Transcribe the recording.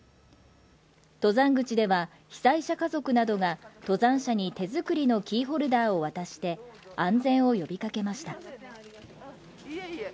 登山口では、被災者家族などが、登山者に手作りのキーホルダーを渡して、安全を呼びかけました。